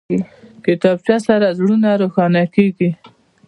کتابچه سره زړونه روښانه کېږي